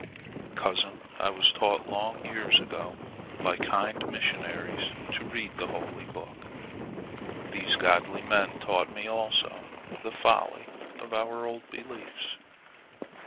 Cousin, I was taught long years ago by kind missionaries to read the holy book. These godly men taught me also the folly of our old beliefs.